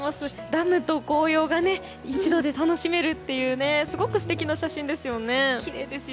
ダムと紅葉が一度で楽しめるというすごく素敵な写真ですよね。